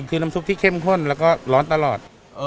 คือน้ำซุปที่เข้มข้นแล้วก็ร้อนตลอด